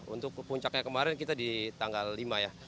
untuk puncaknya kemarin kita di tanggal lima ya